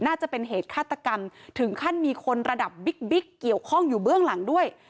น่าจะเป็นเหตุฆาตกรรมถึงขั้นมีคนระดับบิ๊กเกี่ยวข้องอยู่เบื้องหลังด้วย